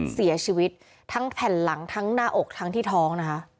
เสียชีวิตทั้งแผ่นหลังทั้งหน้าอกทั้งที่ท้องนะคะ